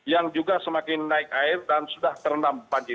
yang juga semakin naik air dan sudah terendam banjir